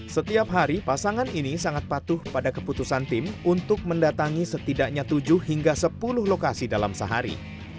setiap hari pasangan ini sangat patuh pada keputusan tim untuk mendatangi setidaknya tujuh hingga sepuluh lokasi dalam sehari